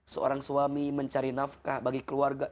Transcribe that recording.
seorang suami mencari nafkah bagi keluarga